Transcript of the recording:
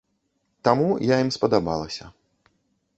Таму я ім спадабалася.